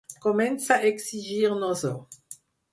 Comença a exigir-nos-ho.